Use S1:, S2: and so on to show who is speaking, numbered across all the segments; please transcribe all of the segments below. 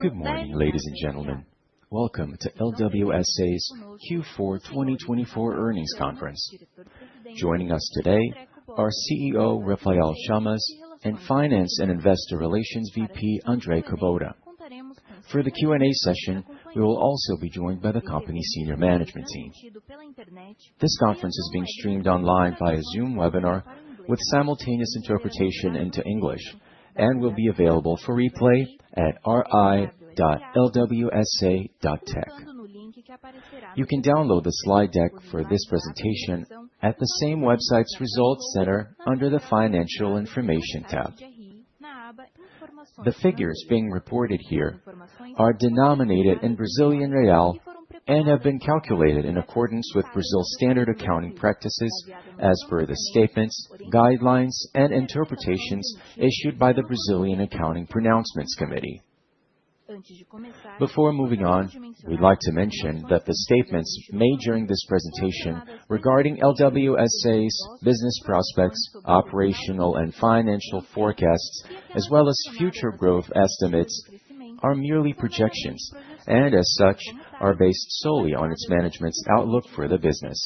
S1: Good morning, ladies and gentlemen. Welcome to LWSA's Q4 2024 earnings conference. Joining us today are CEO Rafael Chamas and Finance and Investor Relations VP Andrei Kubota. For the Q&A session, we will also be joined by the company's senior management team. This conference is being streamed online via Zoom webinar with simultaneous interpretation into English and will be available for replay at ri.lwsa.tech. You can download the slide deck for this presentation at the same website's results center under the Financial Information tab. The figures being reported here are denominated in BRL and have been calculated in accordance with Brazil's standard accounting practices as per the statements, guidelines, and interpretations issued by the Brazilian Accounting Pronouncements Committee. Before moving on, we'd like to mention that the statements made during this presentation regarding LWSA's business prospects, operational and financial forecasts, as well as future growth estimates, are merely projections and, as such, are based solely on its management's outlook for the business.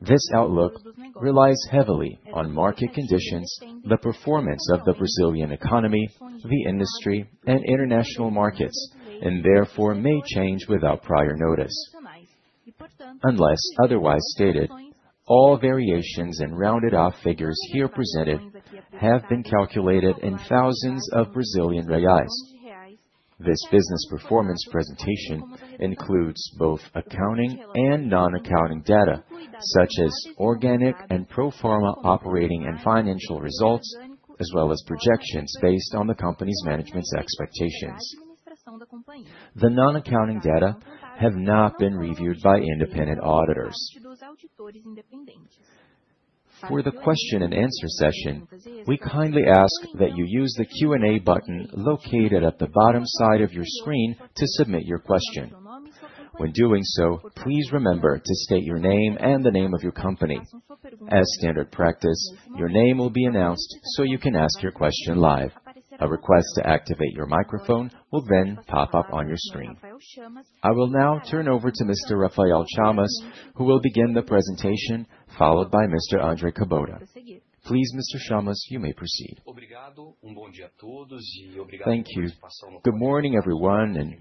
S1: This outlook relies heavily on market conditions, the performance of the Brazilian economy, the industry, and international markets, and therefore may change without prior notice. Unless otherwise stated, all variations and rounded-off figures here presented have been calculated in thousands of BRL. This business performance presentation includes both accounting and non-accounting data, such as organic and pro-forma operating and financial results, as well as projections based on the company's management's expectations. The non-accounting data have not been reviewed by independent auditors. For the question-and-answer session, we kindly ask that you use the Q&A button located at the bottom side of your screen to submit your question. When doing so, please remember to state your name and the name of your company. As standard practice, your name will be announced so you can ask your question live. A request to activate your microphone will then pop up on your screen. I will now turn over to Mr. Rafael Chamas, who will begin the presentation, followed by Mr. Andre Kubota. Please, Mr. Chamas, you may proceed.
S2: Thank you. Good morning, everyone, and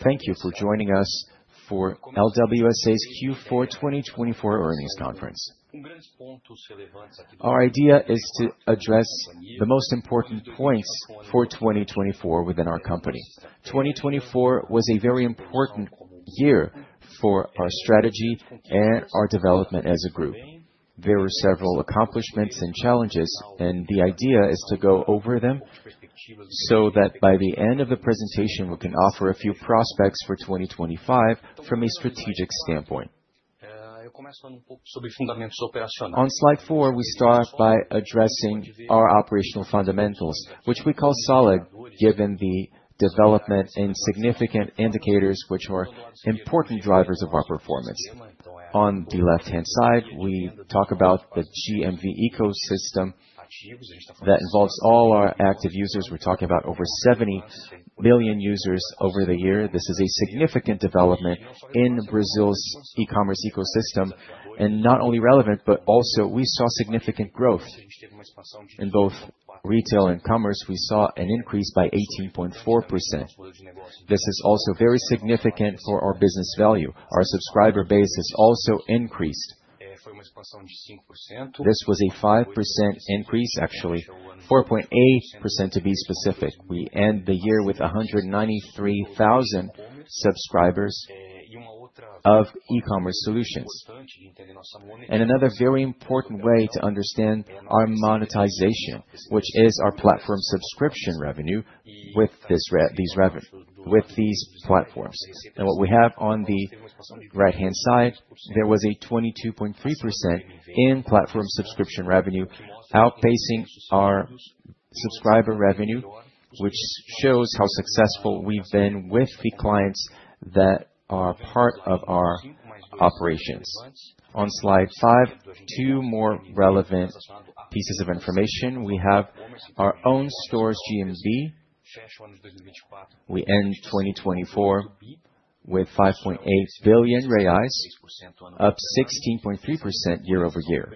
S2: thank you for joining us for LWSA's Q4 2024 earnings conference. Our idea is to address the most important points for 2024 within our company. 2024 was a very important year for our strategy and our development as a group. There were several accomplishments and challenges, and the idea is to go over them so that by the end of the presentation we can offer a few prospects for 2025 from a strategic standpoint. On slide 4, we start by addressing our operational fundamentals, which we call solid, given the development and significant indicators which are important drivers of our performance. On the left-hand side, we talk about the GMV ecosystem that involves all our active users. We're talking about over 70 million users over the year. This is a significant development in Brazil's e-commerce ecosystem and not only relevant, but also we saw significant growth in both retail and commerce. We saw an increase by 18.4%. This is also very significant for our business value. Our subscriber base has also increased. This was a 5% increase, actually, 4.8% to be specific. We end the year with 193,000 subscribers of e-commerce solutions. Another very important way to understand our monetization, which is our platform subscription revenue with these platforms. What we have on the right-hand side, there was a 22.3% in platform subscription revenue outpacing our subscriber revenue, which shows how successful we've been with the clients that are part of our operations. On slide 5, two more relevant pieces of information. We have our own store's GMV. We end 2024 with 5.8 billion reais, up 16.3% year over year.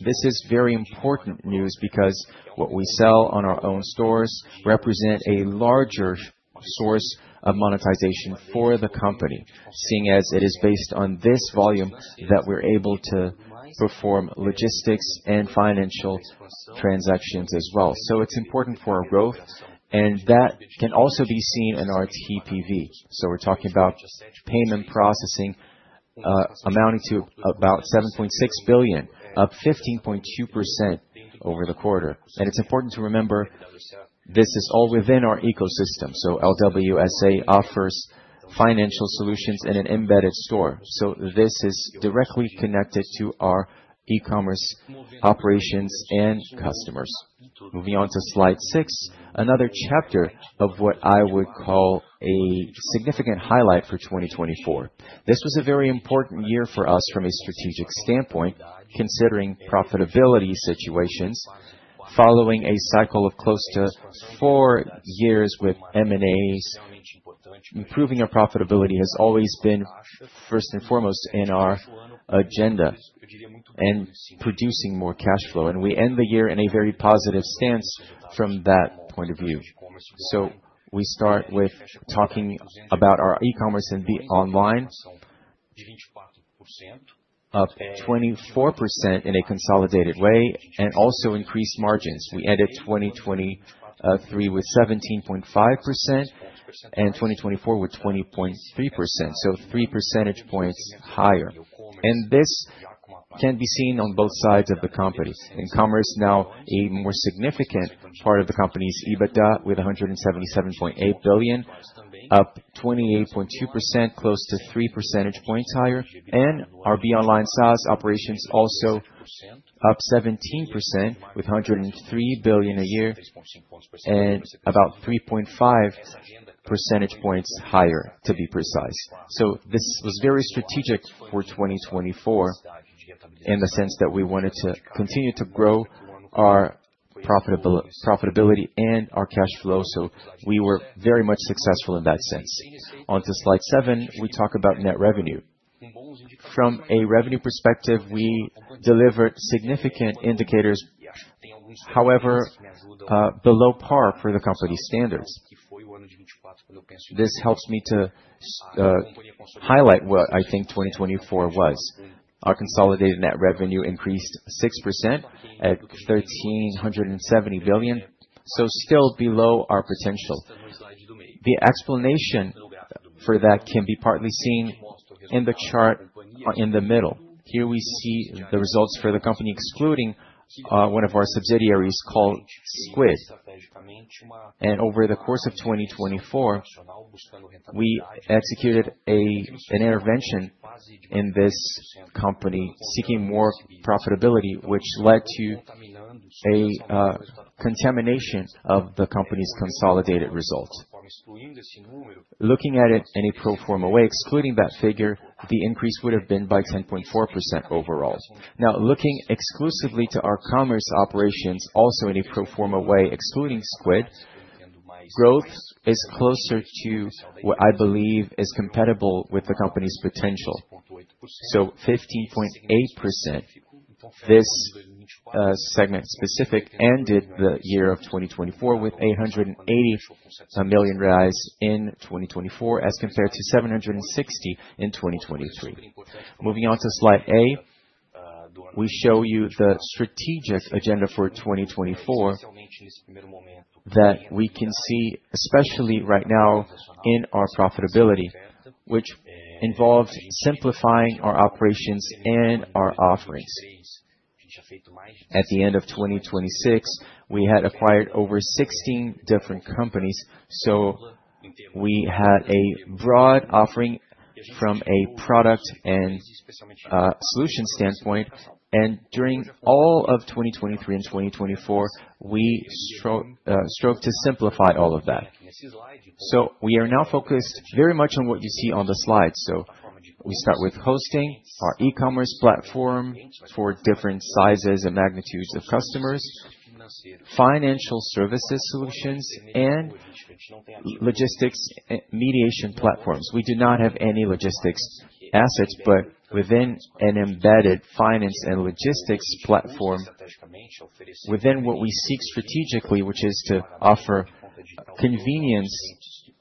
S2: This is very important news because what we sell on our own stores represents a larger source of monetization for the company, seeing as it is based on this volume that we're able to perform logistics and financial transactions as well. It is important for our growth, and that can also be seen in our TPV. We are talking about payment processing amounting to about 7.6 billion, up 15.2% over the quarter. It is important to remember this is all within our ecosystem. LWSA offers financial solutions and an embedded store. This is directly connected to our e-commerce operations and customers. Moving on to slide 6, another chapter of what I would call a significant highlight for 2024. This was a very important year for us from a strategic standpoint, considering profitability situations. Following a cycle of close to four years with M&As, improving our profitability has always been first and foremost in our agenda and producing more cash flow. We end the year in a very positive stance from that point of view. We start with talking about our e-commerce and BeOnline, up 24% in a consolidated way, and also increased margins. We ended 2023 with 17.5% and 2024 with 20.3%, so 3 percentage points higher. This can be seen on both sides of the company. In commerce, now a more significant part of the company's EBITDA with 177.8 million, up 28.2%, close to 3 percentage points higher. Our BeOnline SaaS operations also up 17% with 103 million a year and about 3.5 percentage points higher, to be precise. This was very strategic for 2024 in the sense that we wanted to continue to grow our profitability and our cash flow, so we were very much successful in that sense. Onto slide 7, we talk about net revenue. From a revenue perspective, we delivered significant indicators, however, below par for the company's standards. This helps me to highlight what I think 2024 was. Our consolidated net revenue increased 6% at 1.37 billion, so still below our potential. The explanation for that can be partly seen in the chart in the middle. Here we see the results for the company excluding one of our subsidiaries called Squid. Over the course of 2024, we executed an intervention in this company seeking more profitability, which led to a contamination of the company's consolidated result. Looking at it in a pro-forma way, excluding that figure, the increase would have been by 10.4% overall. Now, looking exclusively to our commerce operations, also in a pro-forma way, excluding Squid, growth is closer to what I believe is compatible with the company's potential. 15.8%, this segment specific, ended the year of 2024 with 880 million in 2024, as compared to 760 million in 2023. Moving on to slide A, we show you the strategic agenda for 2024 that we can see, especially right now in our profitability, which involved simplifying our operations and our offerings. At the end of 2026, we had acquired over 16 different companies, so we had a broad offering from a product and solution standpoint. During all of 2023 and 2024, we strove to simplify all of that. We are now focused very much on what you see on the slide. We start with hosting, our e-commerce platform for different sizes and magnitudes of customers, financial services solutions, and logistics mediation platforms. We do not have any logistics assets, but within an embedded finance and logistics platform, within what we seek strategically, which is to offer convenience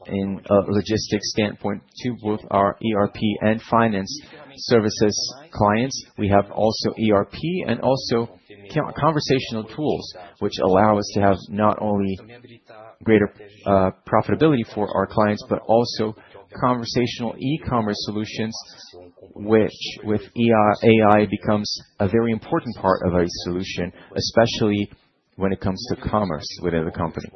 S2: in a logistics standpoint to both our ERP and finance services clients. We have also ERP and also conversational tools, which allow us to have not only greater profitability for our clients, but also conversational e-commerce solutions, which with AI becomes a very important part of our solution, especially when it comes to commerce within the company.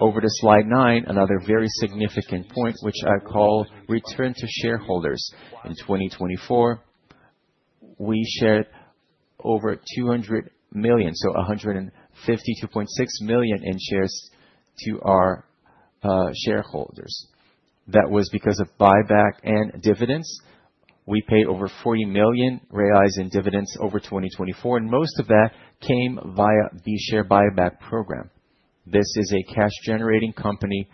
S2: Over to slide 9, another very significant point, which I call return to shareholders. In 2024, we shared over 200 million, so 152.6 million in shares to our shareholders. That was because of buyback and dividends. We paid over 40 million reais in dividends over 2024, and most of that came via the share buyback program. This is a cash-generating company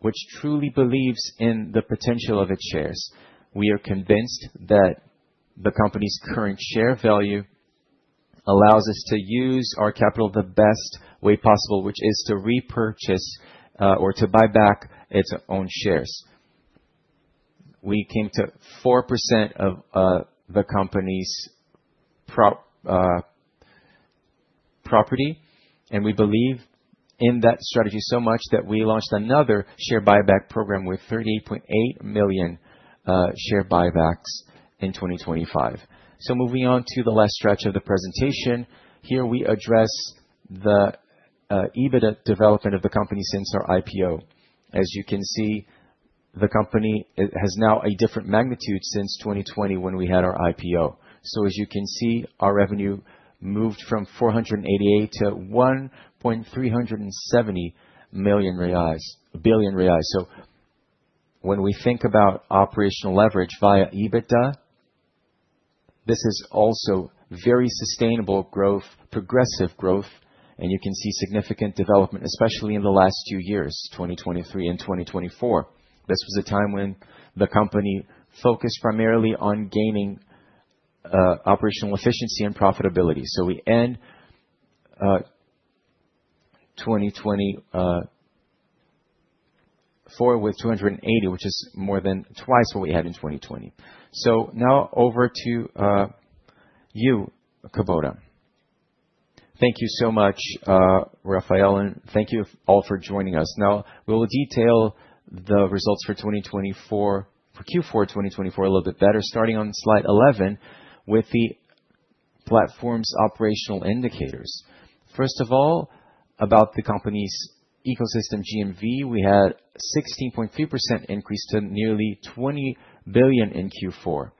S2: which truly believes in the potential of its shares. We are convinced that the company's current share value allows us to use our capital the best way possible, which is to repurchase or to buy back its own shares. We came to 4% of the company's property, and we believe in that strategy so much that we launched another share buyback program with 38.8 million share buybacks in 2025. Moving on to the last stretch of the presentation, here we address the EBITDA development of the company since our IPO. As you can see, the company has now a different magnitude since 2020 when we had our IPO. As you can see, our revenue moved from 488 million to 1.370 billion reais. When we think about operational leverage via EBITDA, this is also very sustainable growth, progressive growth, and you can see significant development, especially in the last two years, 2023 and 2024. This was a time when the company focused primarily on gaining operational efficiency and profitability. We end 2024 with 280, which is more than twice what we had in 2020. Now over to you, Kubota.
S3: Thank you so much, Rafael, and thank you all for joining us. Now we will detail the results for Q4 2024 a little bit better, starting on slide 11 with the platform's operational indicators. First of all, about the company's ecosystem GMV, we had a 16.3% increase to nearly 20 billion in Q4.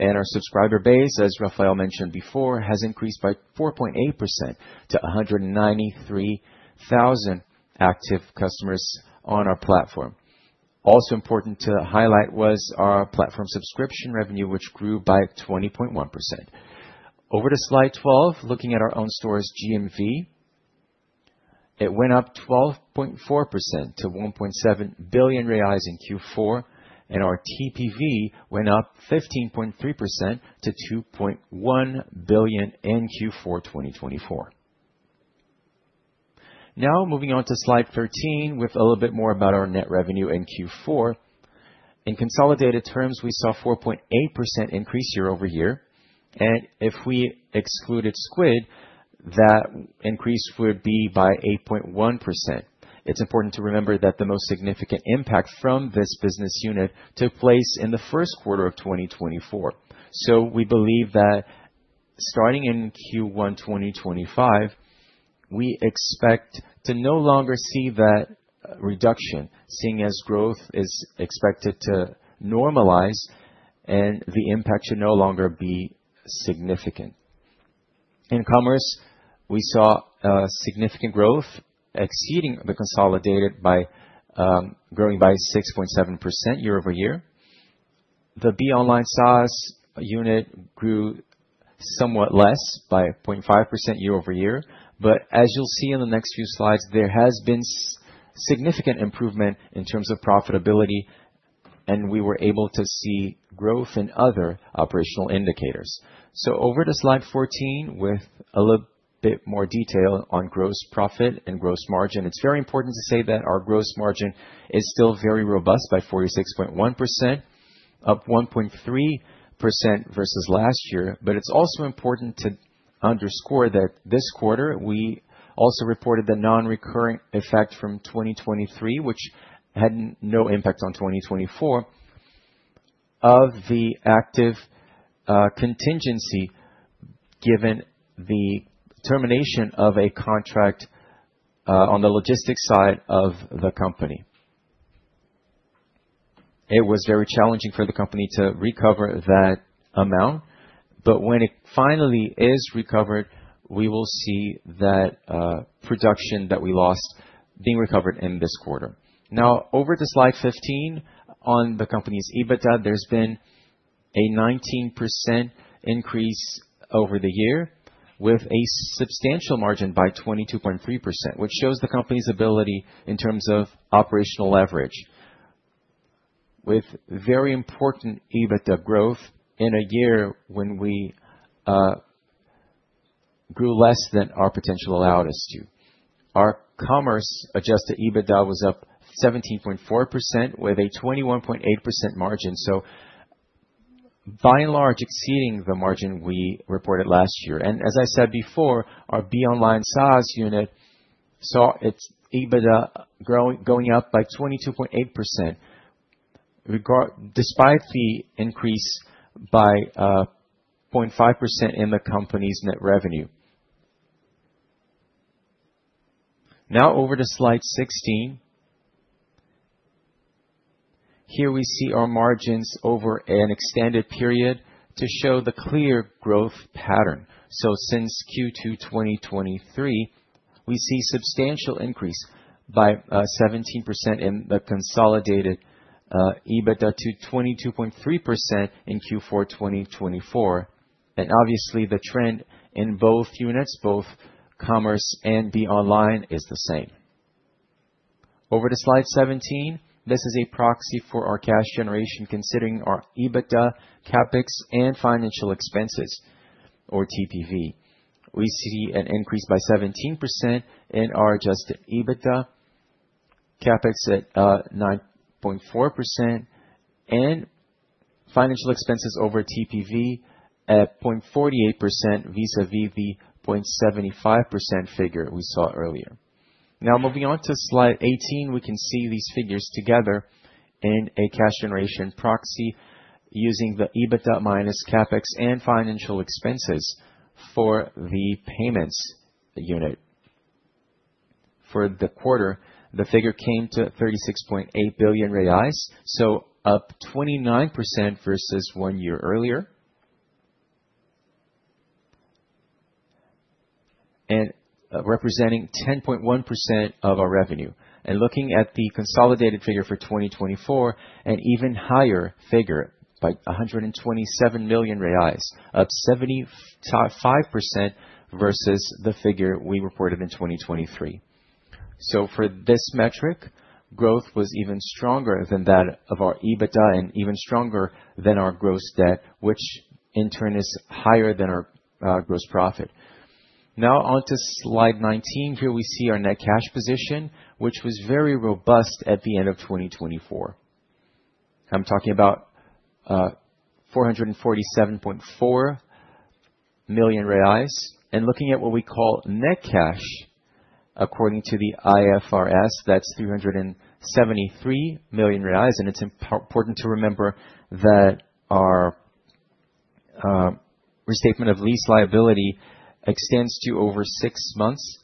S3: Our subscriber base, as Rafael mentioned before, has increased by 4.8% to 193,000 active customers on our platform. Also important to highlight was our platform subscription revenue, which grew by 20.1%. Over to slide 12, looking at our own store's GMV, it went up 12.4% to 1.7 billion reais in Q4, and our TPV went up 15.3% to 2.1 billion in Q4 2024. Now moving on to slide 13 with a little bit more about our net revenue in Q4. In consolidated terms, we saw a 4.8% increase year over year. If we excluded Squid, that increase would be by 8.1%. It is important to remember that the most significant impact from this business unit took place in the first quarter of 2024. We believe that starting in Q1 2025, we expect to no longer see that reduction, seeing as growth is expected to normalize and the impact should no longer be significant.
S1: In commerce, we saw significant growth exceeding the consolidated by growing by 6.7% year over year. The BeOnline size unit grew somewhat less by 0.5% year over year. As you'll see in the next few slides, there has been significant improvement in terms of profitability, and we were able to see growth in other operational indicators. Over to slide 14 with a little bit more detail on gross profit and gross margin. It's very important to say that our gross margin is still very robust by 46.1%, up 1.3% versus last year. It's also important to underscore that this quarter we also reported the non-recurrent effect from 2023, which had no impact on 2024, of the active contingency given the termination of a contract on the logistics side of the company. It was very challenging for the company to recover that amount. When it finally is recovered, we will see that production that we lost being recovered in this quarter. Now, over to slide 15, on the company's EBITDA, there's been a 19% increase over the year with a substantial margin by 22.3%, which shows the company's ability in terms of operational leverage, with very important EBITDA growth in a year when we grew less than our potential allowed us to. Our commerce adjusted EBITDA was up 17.4% with a 21.8% margin, by and large exceeding the margin we reported last year. As I said before, our BeOnline SaaS unit saw its EBITDA going up by 22.8% despite the increase by 0.5% in the company's net revenue. Now, over to slide 16, here we see our margins over an extended period to show the clear growth pattern. Since Q2 2023, we see a substantial increase by 17% in the consolidated EBITDA to 22.3% in Q4 2024. Obviously, the trend in both units, both commerce and BeOnline, is the same. Over to slide 17, this is a proxy for our cash generation considering our EBITDA, CapEx, and financial expenses, or TPV. We see an increase by 17% in our adjusted EBITDA, CapEx at 9.4%, and financial expenses over TPV at 0.48% vis-à-vis the 0.75% figure we saw earlier. Now, moving on to slide 18, we can see these figures together in a cash generation proxy using the EBITDA minus CapEx and financial expenses for the payments unit. For the quarter, the figure came to 36.8 billion reais, up 29% versus one year earlier, and representing 10.1% of our revenue. Looking at the consolidated figure for 2024, an even higher figure by 127 million reais, up 75% versus the figure we reported in 2023. For this metric, growth was even stronger than that of our EBITDA and even stronger than our gross debt, which in turn is higher than our gross profit. Now, on to slide 19, here we see our net cash position, which was very robust at the end of 2024. I'm talking about 447.4 million reais. Looking at what we call net cash, according to the IFRS, that's 373 million reais. It's important to remember that our restatement of lease liability extends to over six months,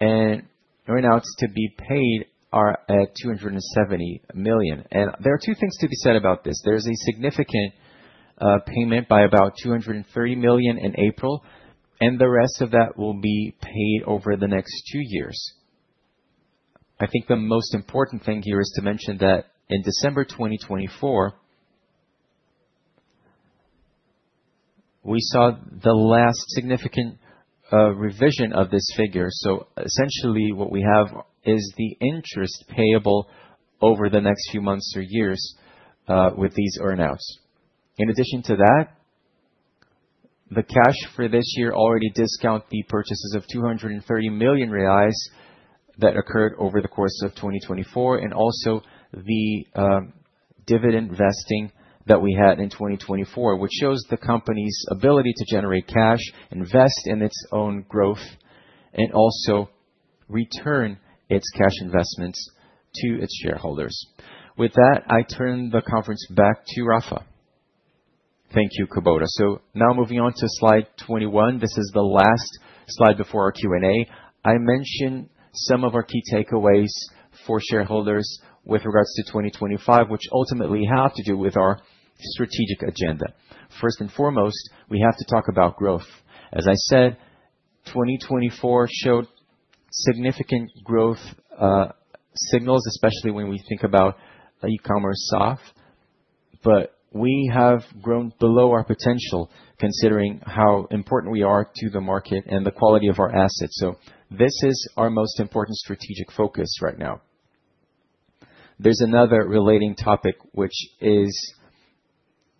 S1: and right now it's to be paid at 270 million. There are two things to be said about this. There's a significant payment by about 230 million in April, and the rest of that will be paid over the next two years. I think the most important thing here is to mention that in December 2024, we saw the last significant revision of this figure. Essentially, what we have is the interest payable over the next few months or years with these earnouts. In addition to that, the cash for this year already discounted the purchases of 230 million reais that occurred over the course of 2024, and also the dividend vesting that we had in 2024, which shows the company's ability to generate cash, invest in its own growth, and also return its cash investments to its shareholders. With that, I turn the conference back to Rafa.
S2: Thank you, Kubota. Now moving on to slide 21, this is the last slide before our Q&A. I mentioned some of our key takeaways for shareholders with regards to 2025, which ultimately have to do with our strategic agenda. First and foremost, we have to talk about growth. As I said, 2024 showed significant growth signals, especially when we think about e-commerce SOF. We have grown below our potential considering how important we are to the market and the quality of our assets. This is our most important strategic focus right now. There is another relating topic, which is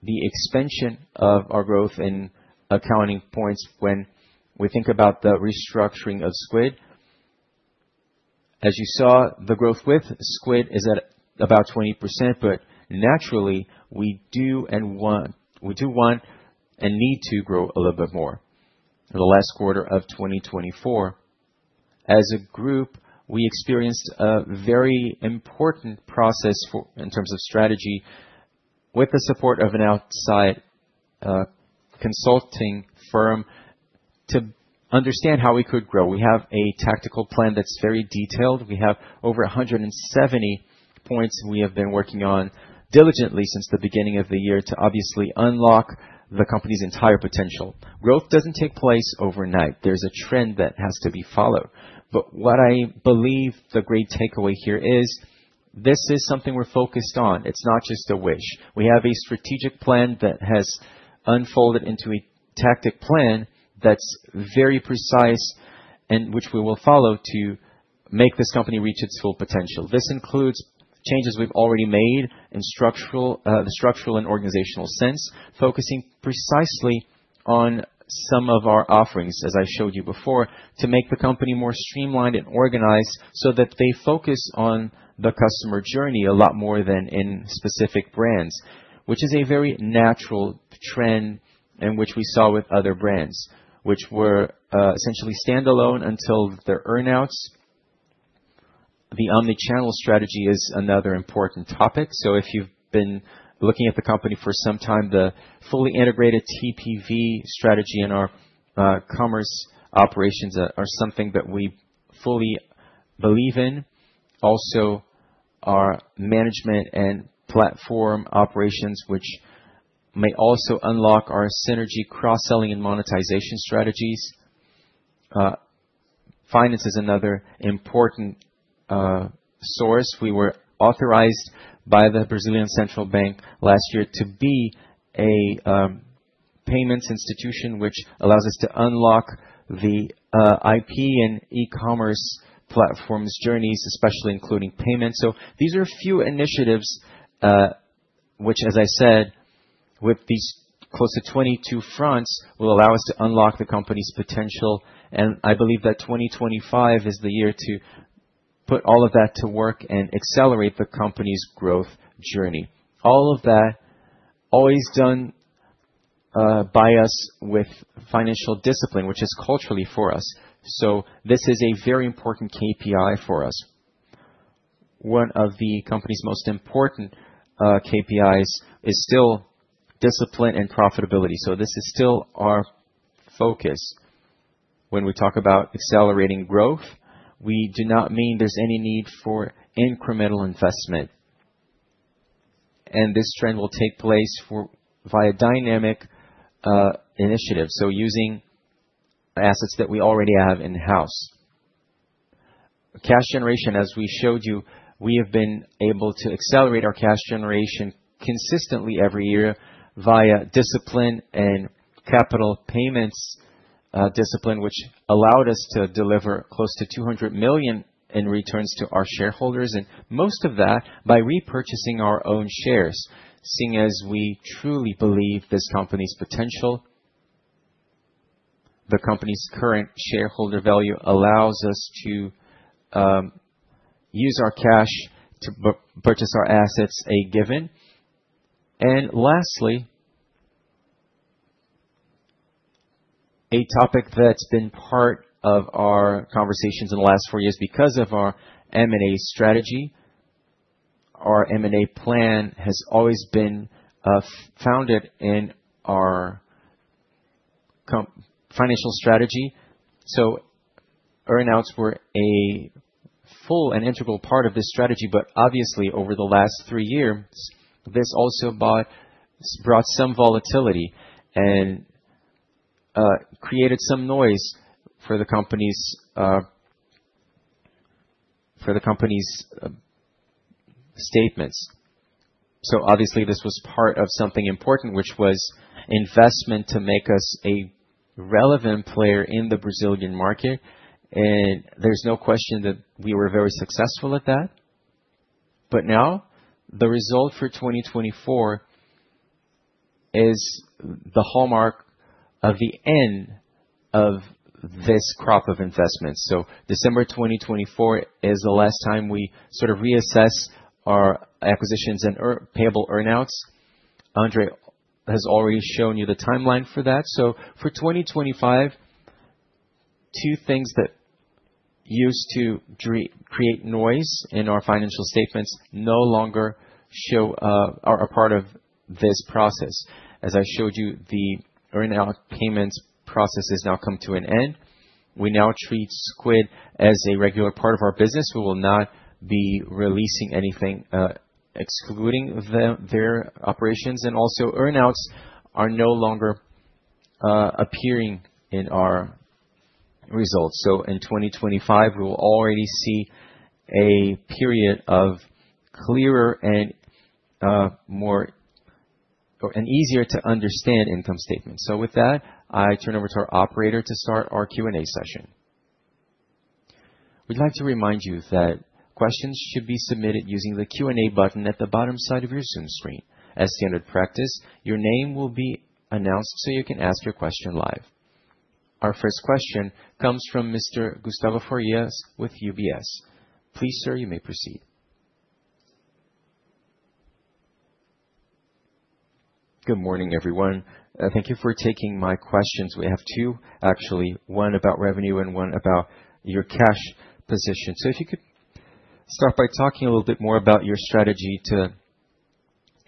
S2: the expansion of our growth in accounting points when we think about the restructuring of Squid. As you saw, the growth with Squid is at about 20%, but naturally, we do and want and need to grow a little bit more in the last quarter of 2024. As a group, we experienced a very important process in terms of strategy with the support of an outside consulting firm to understand how we could grow. We have a tactical plan that is very detailed. We have over 170 points we have been working on diligently since the beginning of the year to obviously unlock the company's entire potential. Growth does not take place overnight. There is a trend that has to be followed. What I believe the great takeaway here is this is something we are focused on. It is not just a wish. We have a strategic plan that has unfolded into a tactic plan that is very precise and which we will follow to make this company reach its full potential. This includes changes we've already made in the structural and organizational sense, focusing precisely on some of our offerings, as I showed you before, to make the company more streamlined and organized so that they focus on the customer journey a lot more than in specific brands, which is a very natural trend and which we saw with other brands, which were essentially standalone until their earnouts. The omnichannel strategy is another important topic. If you've been looking at the company for some time, the fully integrated TPV strategy and our commerce operations are something that we fully believe in. Also, our management and platform operations, which may also unlock our synergy cross-selling and monetization strategies. Finance is another important source. We were authorized by the Brazilian Central Bank last year to be a payments institution, which allows us to unlock the IP and e-commerce platforms' journeys, especially including payments. These are a few initiatives which, as I said, with these close to 22 fronts, will allow us to unlock the company's potential. I believe that 2025 is the year to put all of that to work and accelerate the company's growth journey. All of that is always done by us with financial discipline, which is culturally for us. This is a very important KPI for us. One of the company's most important KPIs is still discipline and profitability. This is still our focus. When we talk about accelerating growth, we do not mean there is any need for incremental investment. This trend will take place via dynamic initiatives, using assets that we already have in-house. Cash generation, as we showed you, we have been able to accelerate our cash generation consistently every year via discipline and capital payments discipline, which allowed us to deliver close to 200 million in returns to our shareholders. Most of that by repurchasing our own shares, seeing as we truly believe this company's potential. The company's current shareholder value allows us to use our cash to purchase our assets a given. Lastly, a topic that's been part of our conversations in the last four years because of our M&A strategy. Our M&A plan has always been founded in our financial strategy. Earnouts were a full and integral part of this strategy. Obviously, over the last three years, this also brought some volatility and created some noise for the company's statements. Obviously, this was part of something important, which was investment to make us a relevant player in the Brazilian market. There is no question that we were very successful at that. Now, the result for 2024 is the hallmark of the end of this crop of investments. December 2024 is the last time we sort of reassess our acquisitions and payable earnouts. Andre has already shown you the timeline for that. For 2025, two things that used to create noise in our financial statements no longer are a part of this process. As I showed you, the earnout payments process has now come to an end. We now treat Squid as a regular part of our business. We will not be releasing anything excluding their operations. Also, earnouts are no longer appearing in our results. In 2025, we will already see a period of clearer and easier to understand income statements. With that, I turn over to our operator to start our Q&A session.
S1: We'd like to remind you that questions should be submitted using the Q&A button at the bottom side of your Zoom screen. As standard practice, your name will be announced so you can ask your question live. Our first question comes from Mr. Gustavo Farias with UBS. Please, sir, you may proceed.
S4: Good morning, everyone. Thank you for taking my questions. We have two, actually, one about revenue and one about your cash position. If you could start by talking a little bit more about your strategy to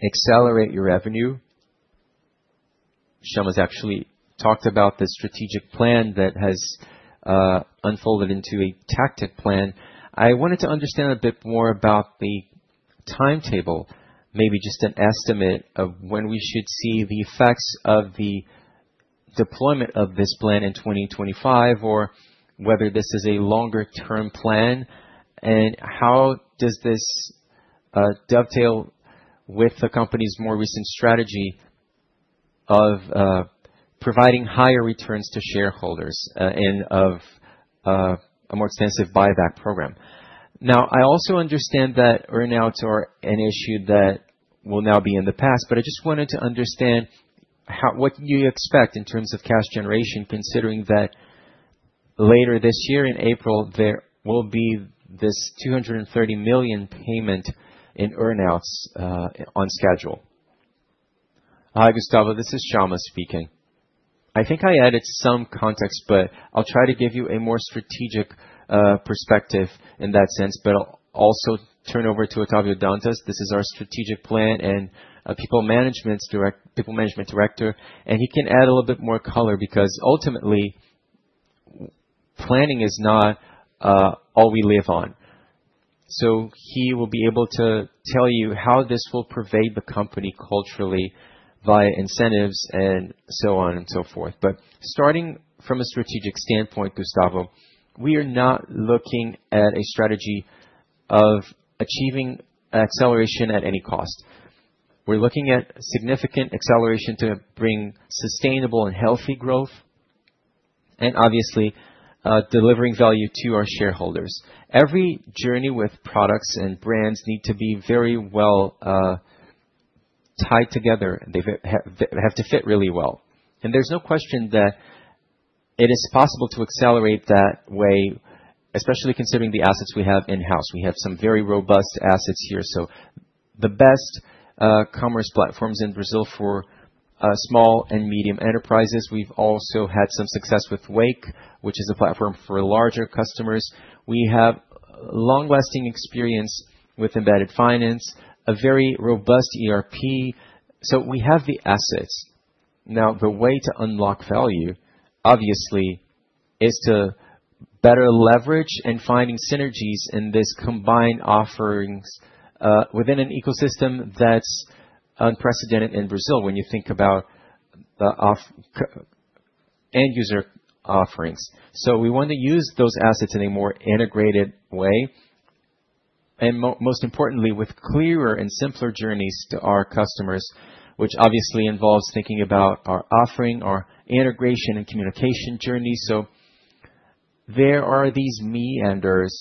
S4: accelerate your revenue. Chamas actually talked about the strategic plan that has unfolded into a tactic plan. I wanted to understand a bit more about the timetable, maybe just an estimate of when we should see the effects of the deployment of this plan in 2025, or whether this is a longer-term plan. How does this dovetail with the company's more recent strategy of providing higher returns to shareholders and of a more extensive buyback program? I also understand that earnouts are an issue that will now be in the past, but I just wanted to understand what you expect in terms of cash generation, considering that later this year in April, there will be this 230 million payment in earnouts on schedule.
S2: Hi, Gustavo. This is Chamas speaking. I think I added some context, but I'll try to give you a more strategic perspective in that sense, but I'll also turn over to Otávio Dantas.
S1: This is our Strategic Plan and People Management Director, and he can add a little bit more color because ultimately, planning is not all we live on. He will be able to tell you how this will pervade the company culturally via incentives and so on and so forth. Starting from a strategic standpoint, Gustavo, we are not looking at a strategy of achieving acceleration at any cost. We are looking at significant acceleration to bring sustainable and healthy growth and obviously delivering value to our shareholders. Every journey with products and brands needs to be very well tied together. They have to fit really well. There is no question that it is possible to accelerate that way, especially considering the assets we have in-house. We have some very robust assets here. The best commerce platforms in Brazil for small and medium enterprises. We've also had some success with Wake, which is a platform for larger customers. We have long-lasting experience with embedded finance, a very robust ERP. We have the assets. Now, the way to unlock value, obviously, is to better leverage and find synergies in these combined offerings within an ecosystem that is unprecedented in Brazil when you think about end-user offerings. We want to use those assets in a more integrated way and, most importantly, with clearer and simpler journeys to our customers, which obviously involves thinking about our offering, our integration, and communication journey. There are these meanders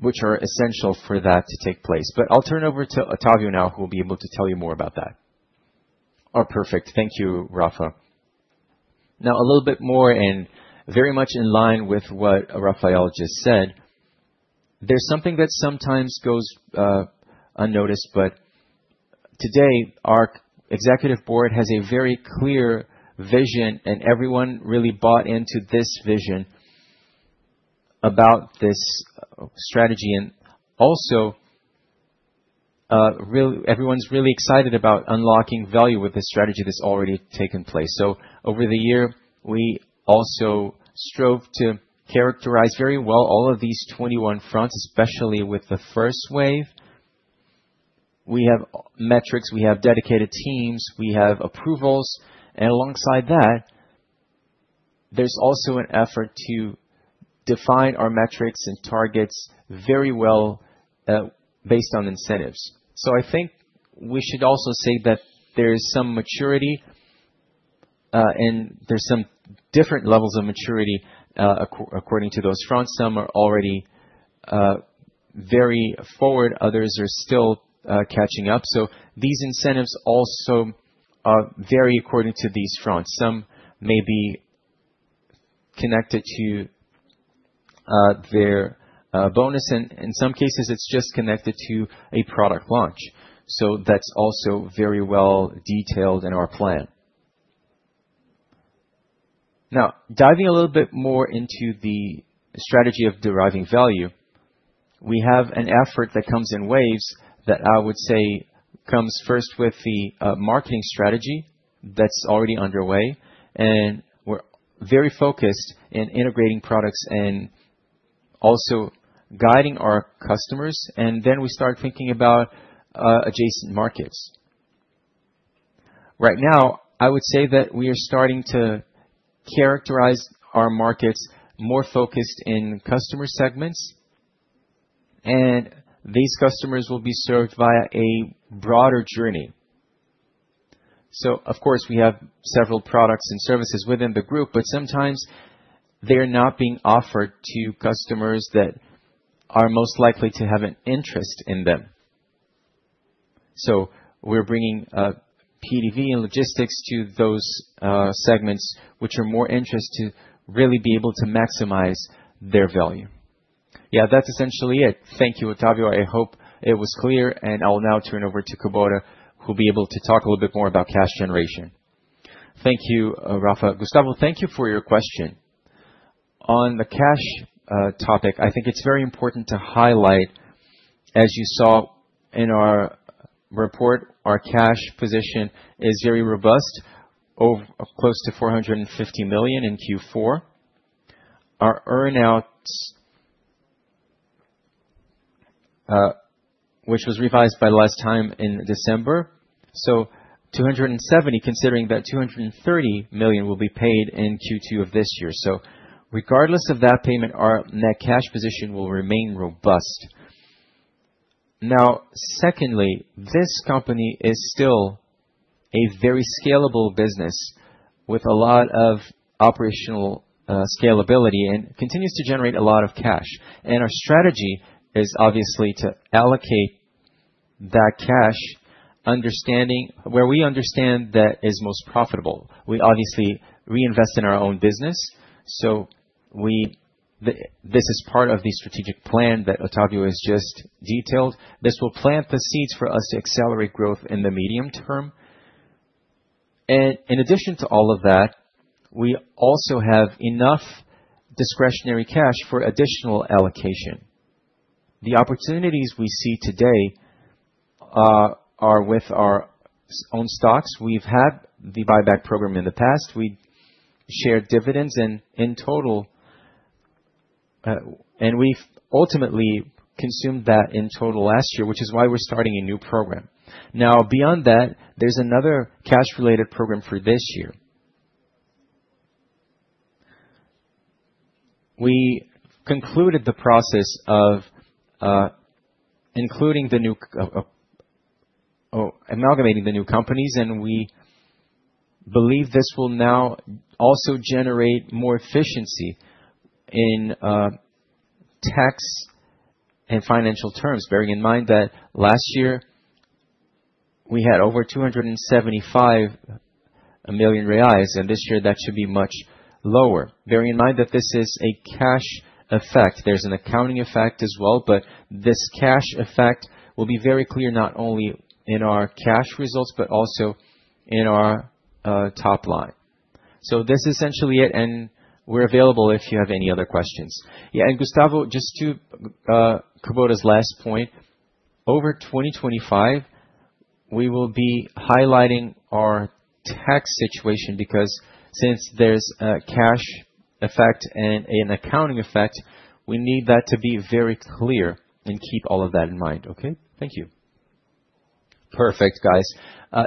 S1: which are essential for that to take place. I'll turn over to Otávio now, who will be able to tell you more about that.
S5: All right. Perfect. Thank you, Rafa. Now, a little bit more and very much in line with what Rafael just said, there's something that sometimes goes unnoticed, but today, our executive board has a very clear vision, and everyone really bought into this vision about this strategy. Also, everyone's really excited about unlocking value with this strategy that's already taken place. Over the year, we also strove to characterize very well all of these 21 fronts, especially with the first wave. We have metrics. We have dedicated teams. We have approvals. Alongside that, there's also an effort to define our metrics and targets very well based on incentives. I think we should also say that there is some maturity, and there's some different levels of maturity according to those fronts. Some are already very forward. Others are still catching up. These incentives also vary according to these fronts. Some may be connected to their bonus. In some cases, it's just connected to a product launch. That is also very well detailed in our plan. Now, diving a little bit more into the strategy of deriving value, we have an effort that comes in waves that I would say comes first with the marketing strategy that is already underway. We are very focused in integrating products and also guiding our customers. We start thinking about adjacent markets. Right now, I would say that we are starting to characterize our markets more focused in customer segments, and these customers will be served via a broader journey. Of course, we have several products and services within the group, but sometimes they are not being offered to customers that are most likely to have an interest in them. We're bringing PDV and logistics to those segments, which are more interested to really be able to maximize their value.
S2: Yeah, that's essentially it. Thank you, Otávio. I hope it was clear, and I will now turn over to Kubota, who will be able to talk a little bit more about cash generation.
S3: Thank you, Rafa. Gustavo, thank you for your question. On the cash topic, I think it's very important to highlight, as you saw in our report, our cash position is very robust, close to 450 million in Q4. Our earnouts, which was revised by the last time in December, so 270 million, considering that 230 million will be paid in Q2 of this year. Regardless of that payment, our net cash position will remain robust. Now, secondly, this company is still a very scalable business with a lot of operational scalability and continues to generate a lot of cash. Our strategy is obviously to allocate that cash, understanding where we understand that is most profitable. We obviously reinvest in our own business. This is part of the strategic plan that Otávio has just detailed. This will plant the seeds for us to accelerate growth in the medium term. In addition to all of that, we also have enough discretionary cash for additional allocation. The opportunities we see today are with our own stocks. We've had the buyback program in the past. We shared dividends in total, and we've ultimately consumed that in total last year, which is why we're starting a new program. Beyond that, there's another cash-related program for this year. We concluded the process of amalgamating the new companies, and we believe this will now also generate more efficiency in tax and financial terms, bearing in mind that last year we had over 275 million reais, and this year that should be much lower, bearing in mind that this is a cash effect. There is an accounting effect as well, but this cash effect will be very clear not only in our cash results but also in our top line. This is essentially it, and we're available if you have any other questions.
S2: Yeah, and Gustavo, just to Kubota's last point, over 2025, we will be highlighting our tax situation because since there is a cash effect and an accounting effect, we need that to be very clear and keep all of that in mind. Okay? Thank you.
S4: Perfect, guys.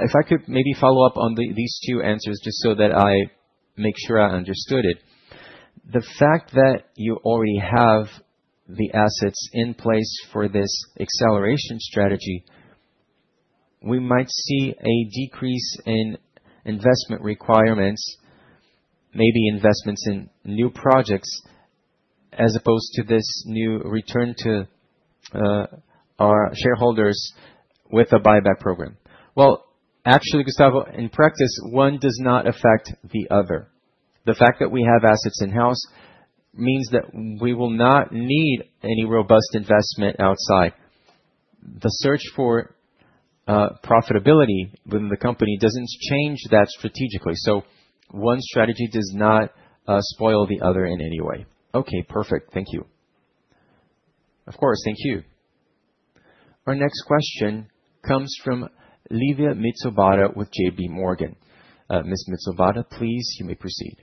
S4: If I could maybe follow up on these two answers just so that I make sure I understood it. The fact that you already have the assets in place for this acceleration strategy, we might see a decrease in investment requirements, maybe investments in new projects as opposed to this new return to our shareholders with a buyback program.
S2: Actually, Gustavo, in practice, one does not affect the other. The fact that we have assets in-house means that we will not need any robust investment outside. The search for profitability within the company does not change that strategically. One strategy does not spoil the other in any way.
S4: Okay, perfect. Thank you.
S2: Of course. Thank you.
S1: Our next question comes from Livia [Mansur] with JPMorgan. Ms. [Mansur], please, you may proceed.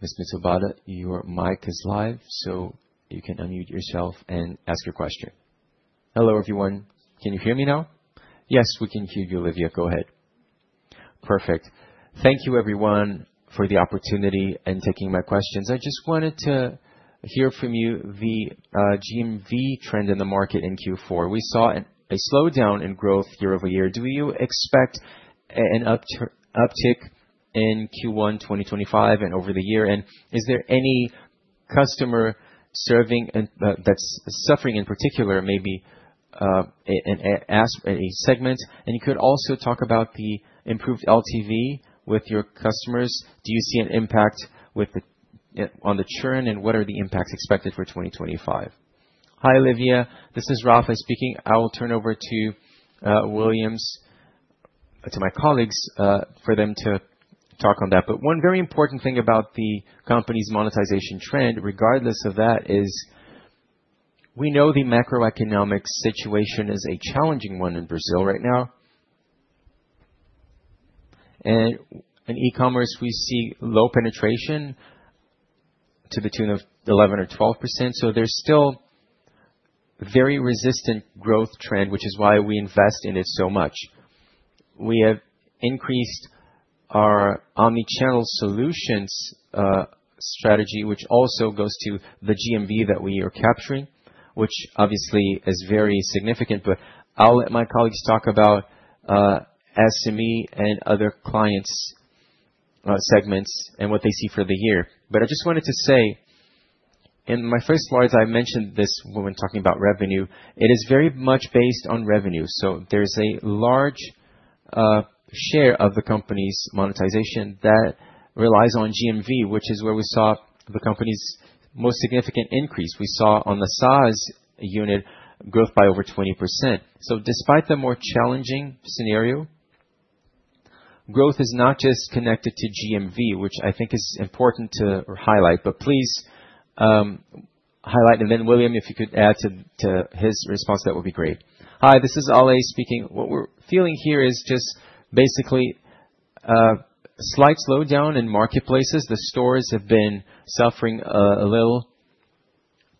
S1: Ms. [Mansur], your mic is live, so you can unmute yourself and ask your question.
S6: Hello, everyone. Can you hear me now?
S2: Yes, we can hear you, Livia. Go ahead.
S1: Perfect. Thank you, everyone, for the opportunity and taking my questions. I just wanted to hear from you the GMV trend in the market in Q4. We saw a slowdown in growth year over year. Do you expect an uptick in Q1 2025 and over the year? Is there any customer serving that's suffering in particular, maybe a segment? You could also talk about the improved LTV with your customers. Do you see an impact on the churn? What are the impacts expected for 2025?
S2: Hi, Livia. This is Rafa speaking. I will turn over to Willians, to my colleagues, for them to talk on that. One very important thing about the company's monetization trend, regardless of that, is we know the macroeconomic situation is a challenging one in Brazil right now. In e-commerce, we see low penetration to between 11% or 12%. There is still a very resistant growth trend, which is why we invest in it so much. We have increased our omnichannel solutions strategy, which also goes to the GMV that we are capturing, which obviously is very significant. I will let my colleagues talk about SME and other clients' segments and what they see for the year. I just wanted to say, in my first slides, I mentioned this when talking about revenue. It is very much based on revenue. There is a large share of the company's monetization that relies on GMV, which is where we saw the company's most significant increase. We saw on the SaaS unit growth by over 20%. Despite the more challenging scenario, growth is not just connected to GMV, which I think is important to highlight, but please highlight. Willians, if you could add to his response, that would be great.
S7: Hi, this is Ale speaking. What we're feeling here is just basically a slight slowdown in marketplaces. The stores have been suffering a little.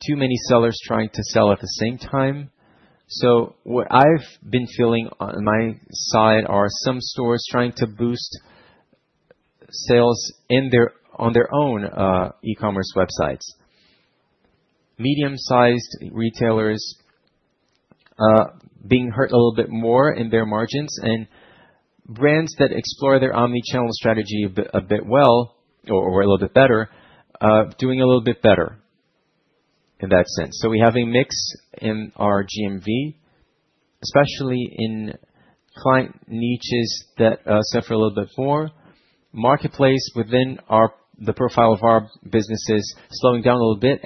S7: Too many sellers trying to sell at the same time. What I've been feeling on my side are some stores trying to boost sales on their own e-commerce websites. Medium-sized retailers being hurt a little bit more in their margins and brands that explore their omnichannel strategy a bit well or a little bit better, doing a little bit better in that sense. We have a mix in our GMV, especially in client niches that suffer a little bit more. Marketplace within the profile of our business is slowing down a little bit.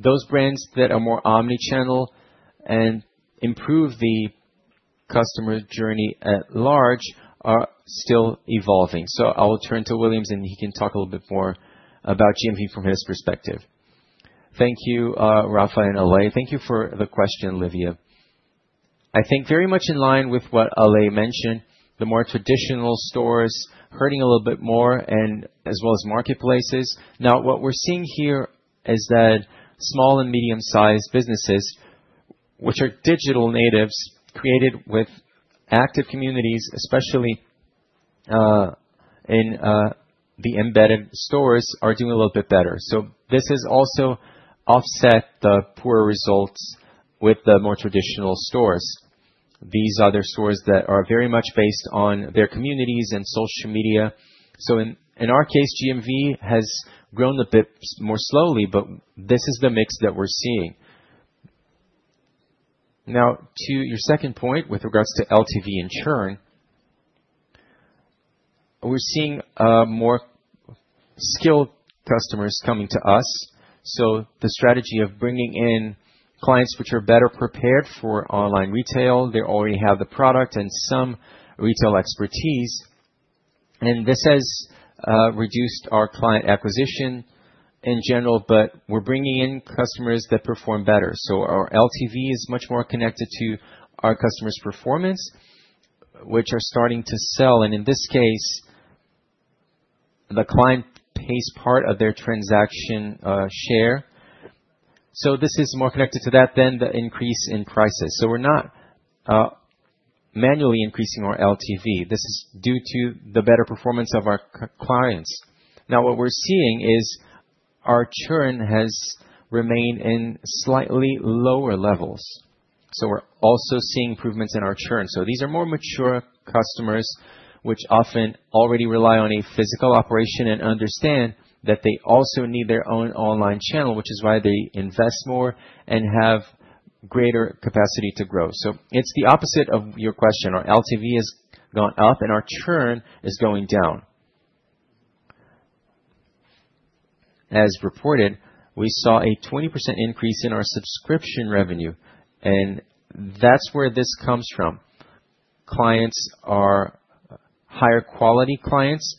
S7: Those brands that are more omnichannel and improve the customer journey at large are still evolving. I will turn to Willians, and he can talk a little bit more about GMV from his perspective.
S8: Thank you, Rafa and Ale. Thank you for the question, Livia. I think very much in line with what Ale mentioned, the more traditional stores hurting a little bit more and as well as marketplaces. Now, what we're seeing here is that small and medium-sized businesses, which are digital natives, created with active communities, especially in the embedded stores, are doing a little bit better. This has also offset the poor results with the more traditional stores, these other stores that are very much based on their communities and social media. In our case, GMV has grown a bit more slowly, but this is the mix that we're seeing. To your second point with regards to LTV and churn, we're seeing more skilled customers coming to us. The strategy of bringing in clients which are better prepared for online retail, they already have the product and some retail expertise. This has reduced our client acquisition in general, but we're bringing in customers that perform better. Our LTV is much more connected to our customers' performance, which are starting to sell. In this case, the client pays part of their transaction share. This is more connected to that than the increase in prices. We're not manually increasing our LTV. This is due to the better performance of our clients. Now, what we're seeing is our churn has remained in slightly lower levels. We're also seeing improvements in our churn. These are more mature customers, which often already rely on a physical operation and understand that they also need their own online channel, which is why they invest more and have greater capacity to grow. It's the opposite of your question. Our LTV has gone up, and our churn is going down. As reported, we saw a 20% increase in our subscription revenue, and that's where this comes from. Clients are higher quality clients,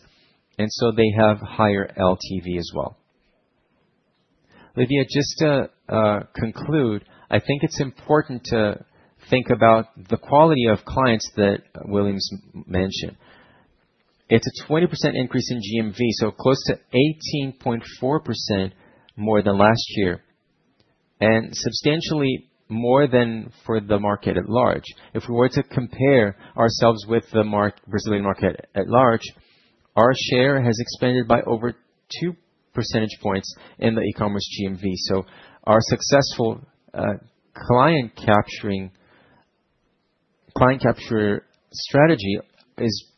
S8: and so they have higher LTV as well. Livia, just to conclude, I think it's important to think about the quality of clients that William mentioned. It's a 20% increase in GMV, so close to 18.4% more than last year and substantially more than for the market at large. If we were to compare ourselves with the Brazilian market at large, our share has expanded by over 2 percentage points in the e-commerce GMV. Our successful client capture strategy is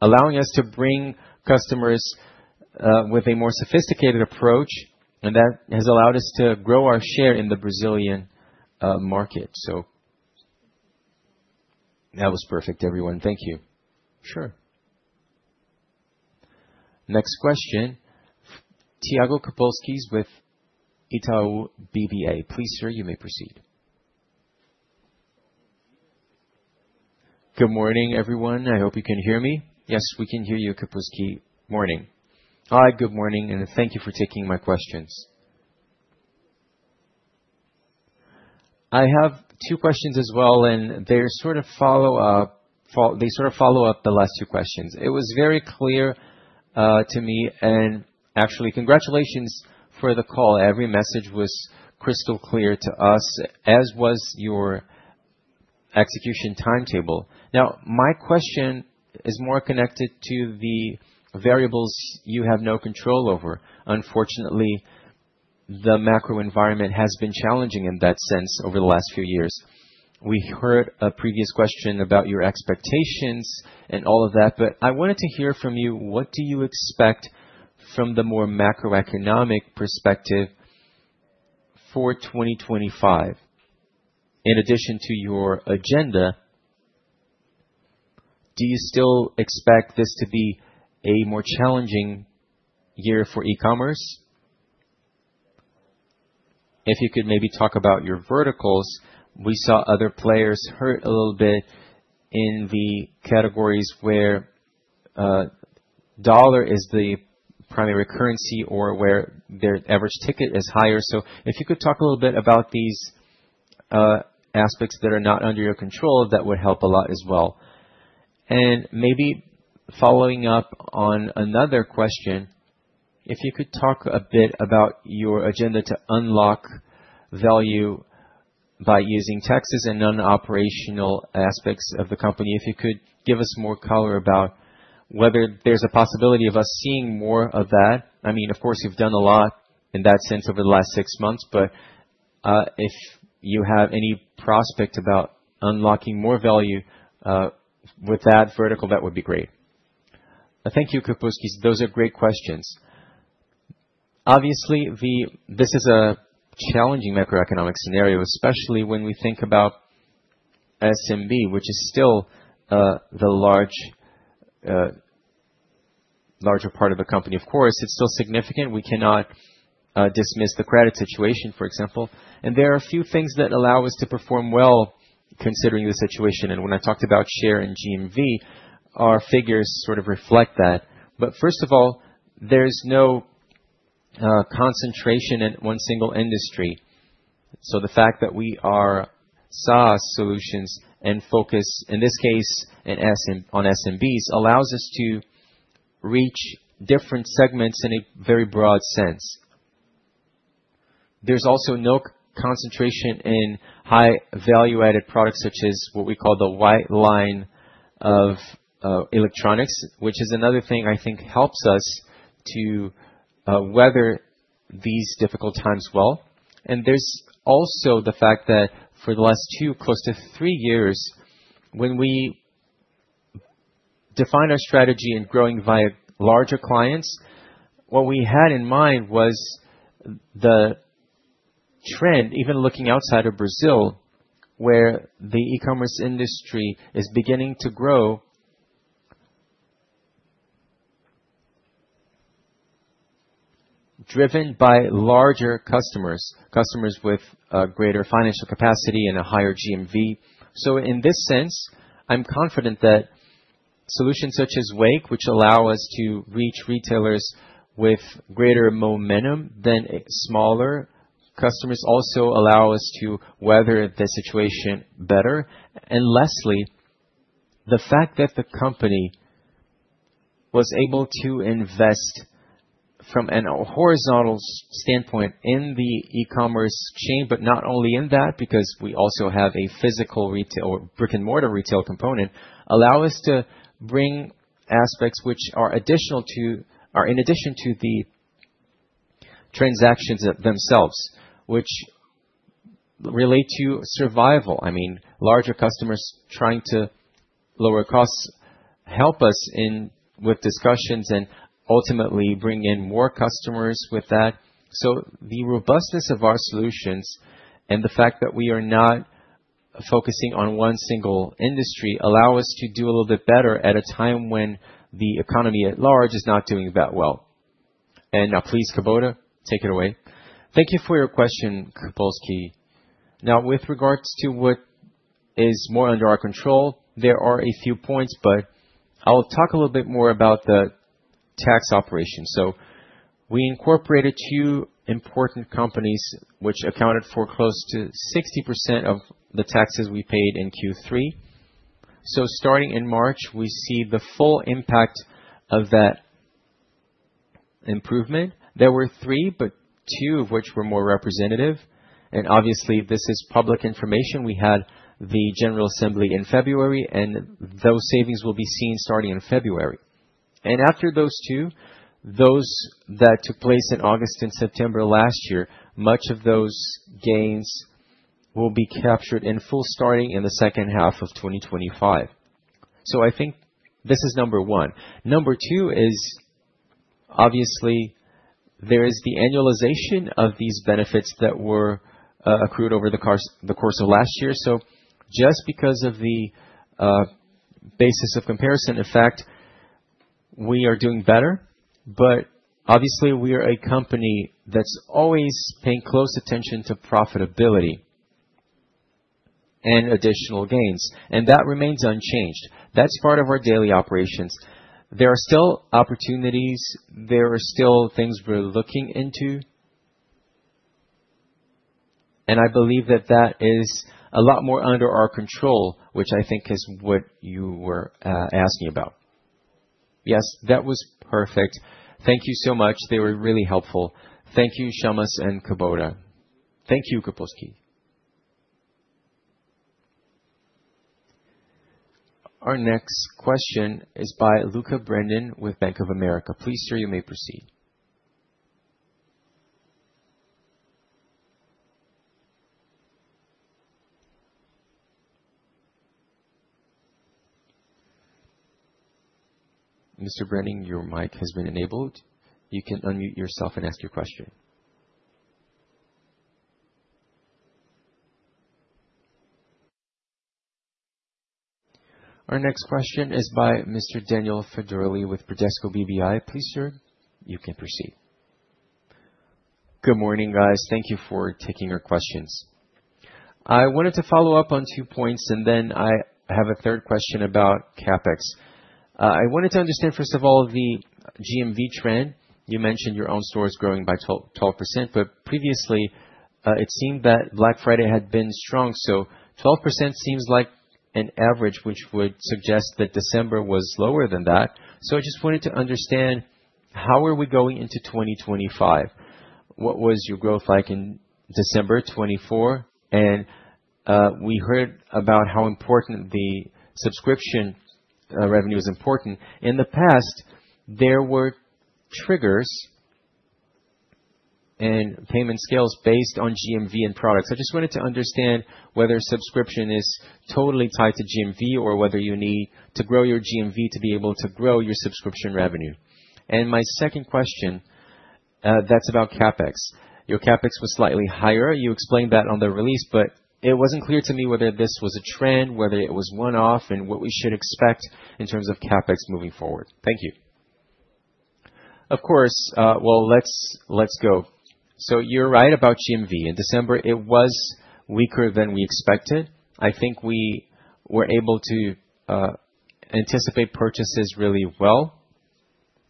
S8: allowing us to bring customers with a more sophisticated approach, and that has allowed us to grow our share in the Brazilian market.
S6: That was perfect, everyone. Thank you.
S2: Sure.
S1: Next question, Thiago Kapulskis with Itaú BBA. Please, sir, you may proceed.
S9: Good morning, everyone. I hope you can hear me?
S2: Yes, we can hear you, Kapulskis. Morning.
S9: Hi, good morning, and thank you for taking my questions. I have two questions as well, and they sort of follow up the last two questions. It was very clear to me, and actually, congratulations for the call. Every message was crystal clear to us, as was your execution timetable. Now, my question is more connected to the variables you have no control over. Unfortunately, the macro environment has been challenging in that sense over the last few years. We heard a previous question about your expectations and all of that, but I wanted to hear from you. What do you expect from the more macroeconomic perspective for 2025? In addition to your agenda, do you still expect this to be a more challenging year for e-commerce? If you could maybe talk about your verticals. We saw other players hurt a little bit in the categories where dollar is the primary currency or where their average ticket is higher. If you could talk a little bit about these aspects that are not under your control, that would help a lot as well. Maybe following up on another question, if you could talk a bit about your agenda to unlock value by using taxes and non-operational aspects of the company. If you could give us more color about whether there's a possibility of us seeing more of that. I mean, of course, you've done a lot in that sense over the last six months, but if you have any prospect about unlocking more value with that vertical, that would be great.
S2: Thank you, Kapulskis. Those are great questions. Obviously, this is a challenging macroeconomic scenario, especially when we think about SMB, which is still the larger part of the company. Of course, it's still significant. We cannot dismiss the credit situation, for example. There are a few things that allow us to perform well considering the situation. When I talked about share in GMV, our figures sort of reflect that. First of all, there's no concentration in one single industry. The fact that we are SaaS solutions and focus, in this case, on SMBs, allows us to reach different segments in a very broad sense. There is also no concentration in high-value-added products, such as what we call the white line of electronics, which is another thing I think helps us to weather these difficult times well. There is also the fact that for the last two, close to three years, when we define our strategy in growing via larger clients, what we had in mind was the trend, even looking outside of Brazil, where the e-commerce industry is beginning to grow, driven by larger customers, customers with greater financial capacity and a higher GMV. In this sense, I am confident that solutions such as Wake, which allow us to reach retailers with greater momentum than smaller customers, also allow us to weather the situation better. Lastly, the fact that the company was able to invest from a horizontal standpoint in the e-commerce chain, but not only in that, because we also have a physical retail or brick-and-mortar retail component, allows us to bring aspects which are additional to or in addition to the transactions themselves, which relate to survival. I mean, larger customers trying to lower costs help us with discussions and ultimately bring in more customers with that. The robustness of our solutions and the fact that we are not focusing on one single industry allow us to do a little bit better at a time when the economy at large is not doing that well. Now, please, Kubota, take it away.
S3: Thank you for your question, Kapulskis. Now, with regards to what is more under our control, there are a few points, but I'll talk a little bit more about the tax operation. We incorporated two important companies, which accounted for close to 60% of the taxes we paid in Q3. Starting in March, we see the full impact of that improvement. There were three, but two of which were more representative. Obviously, this is public information. We had the General Assembly in February, and those savings will be seen starting in February. After those two, those that took place in August and September last year, much of those gains will be captured in full starting in the second half of 2025. I think this is number one. Number two is, obviously, there is the annualization of these benefits that were accrued over the course of last year. Just because of the basis of comparison, in fact, we are doing better, but obviously, we are a company that's always paying close attention to profitability and additional gains, and that remains unchanged. That's part of our daily operations. There are still opportunities. There are still things we're looking into. I believe that that is a lot more under our control, which I think is what you were asking about.
S9: Yes, that was perfect. Thank you so much. They were really helpful. Thank you, Chamas and Kubota.
S2: Thank you, Kapulskis.
S1: Our next question is by Lucca Brendim with Bank of America. Please, sir, you may proceed. Mr. Brandon, your mic has been enabled. You can unmute yourself and ask your question. Our next question is by Mr. Daniel Federle with Bradesco BBI. Please, sir, you can proceed.
S10: Good morning, guys. Thank you for taking our questions. I wanted to follow up on two points, and then I have a third question about CapEx. I wanted to understand, first of all, the GMV trend. You mentioned your own stores growing by 12%, but previously, it seemed that Black Friday had been strong. 12% seems like an average, which would suggest that December was lower than that. I just wanted to understand how are we going into 2025? What was your growth like in December 2024? We heard about how important the subscription revenue is important. In the past, there were triggers and payment scales based on GMV and products. I just wanted to understand whether subscription is totally tied to GMV or whether you need to grow your GMV to be able to grow your subscription revenue. My second question, that's about CapEx. Your CapEx was slightly higher. You explained that on the release, but it wasn't clear to me whether this was a trend, whether it was one-off, and what we should expect in terms of CapEx moving forward. Thank you.
S2: Of course. Let's go. You're right about GMV. In December, it was weaker than we expected. I think we were able to anticipate purchases really well.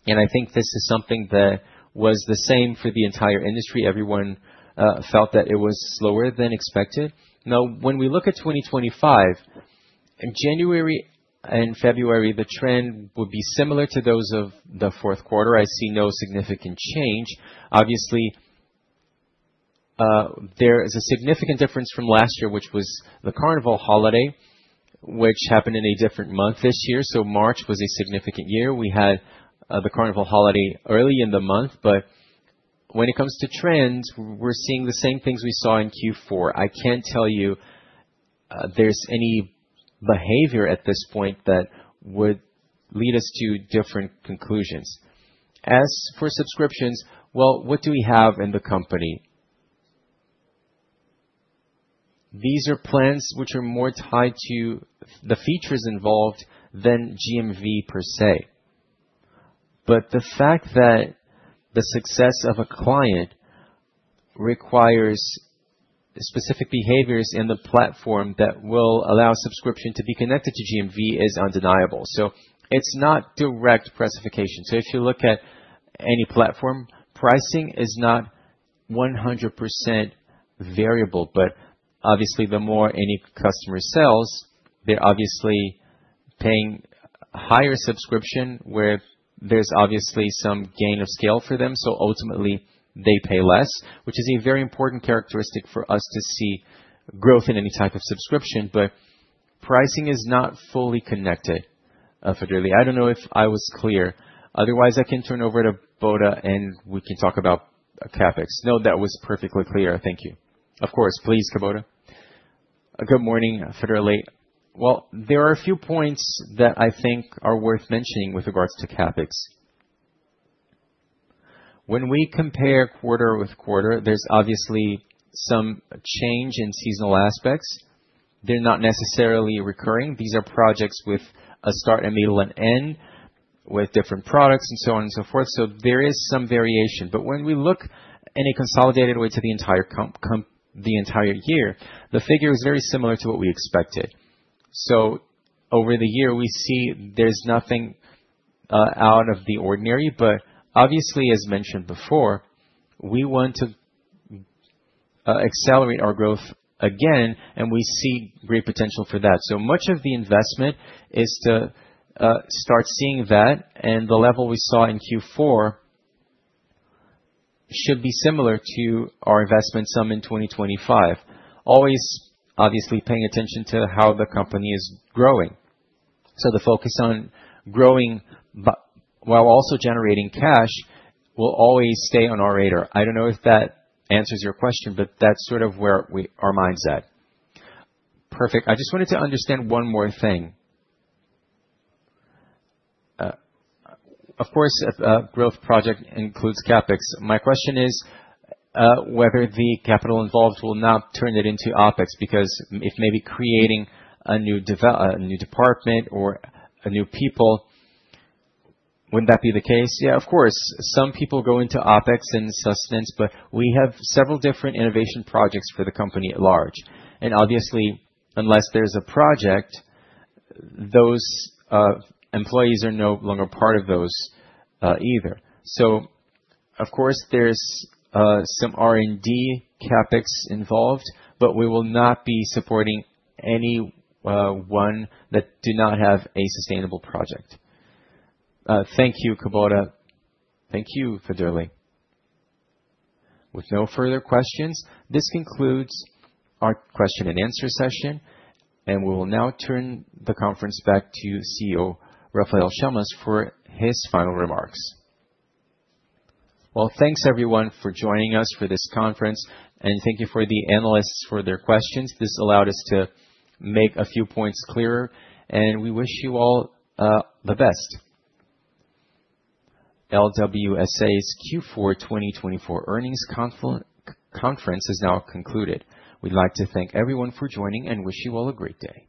S2: I think this is something that was the same for the entire industry. Everyone felt that it was slower than expected. Now, when we look at 2025, in January and February, the trend would be similar to those of the fourth quarter. I see no significant change. Obviously, there is a significant difference from last year, which was the carnival holiday, which happened in a different month this year. March was a significant year. We had the carnival holiday early in the month, but when it comes to trends, we're seeing the same things we saw in Q4. I can't tell you there's any behavior at this point that would lead us to different conclusions. As for subscriptions, what do we have in the company? These are plans which are more tied to the features involved than GMV per se. The fact that the success of a client requires specific behaviors in the platform that will allow subscription to be connected to GMV is undeniable. It is not direct precipitation. If you look at any platform, pricing is not 100% variable, but obviously, the more any customer sells, they're obviously paying a higher subscription where there's obviously some gain of scale for them. Ultimately, they pay less, which is a very important characteristic for us to see growth in any type of subscription, but pricing is not fully connected, Federle. I do not know if I was clear. Otherwise, I can turn over to Kubota, and we can talk about CapEx.
S10: No, that was perfectly clear. Thank you.
S2: Of course. Please, Kubota.
S3: Good morning, Federle. There are a few points that I think are worth mentioning with regards to CapEx. When we compare quarter with quarter, there is obviously some change in seasonal aspects. They are not necessarily recurring. These are projects with a start, a middle, and end with different products and so on and so forth. There is some variation. When we look in a consolidated way to the entire year, the figure is very similar to what we expected. Over the year, we see there is nothing out of the ordinary, but obviously, as mentioned before, we want to accelerate our growth again, and we see great potential for that. Much of the investment is to start seeing that, and the level we saw in Q4 should be similar to our investment sum in 2025. Always, obviously, paying attention to how the company is growing. The focus on growing while also generating cash will always stay on our radar. I do not know if that answers your question, but that is sort of where our mind is at.
S10: Perfect. I just wanted to understand one more thing. Of course, a growth project includes CapEx. My question is whether the capital involved will not turn it into OpEx because if maybe creating a new department or new people, would not that be the case?
S3: Yeah, of course. Some people go into OpEx and sustenance, but we have several different innovation projects for the company at large. Obviously, unless there's a project, those employees are no longer part of those either. Of course, there's some R&D CapEx involved, but we will not be supporting anyone that does not have a sustainable project.
S10: Thank you, Kubota.
S3: Thank you, Federle.
S1: With no further questions, this concludes our question and answer session, and we will now turn the conference back to CEO Rafael Chamas for his final remarks.
S2: Thank you everyone for joining us for this conference, and thank you to the analysts for their questions. This allowed us to make a few points clearer, and we wish you all the best. LWSA's Q4 2024 earnings conference is now concluded. We'd like to thank everyone for joining and wish you all a great day.